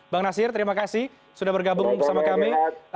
bang nasir terimakasih sudah bergabung bersama kami